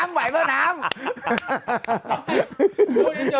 โอ้น้ำไหวไหมน้ำ